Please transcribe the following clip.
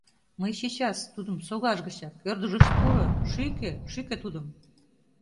Мый чечас... тудым согаж гычак... ӧрдыж гыч пуро, шӱкӧ, шӱкӧ тудым!